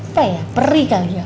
apa ya peri kali ya